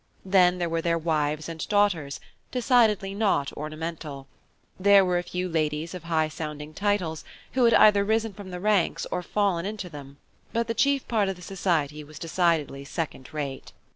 Then there were their wives and daughters, decidedly not ornamental. There were a few ladies of high sounding titles, who had either risen from the ranks, or fallen into them, but the chief part of the society was decidedly second rate.